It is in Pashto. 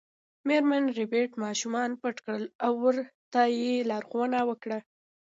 میرمن ربیټ ماشومان پټ کړل او ورته یې لارښوونه وکړه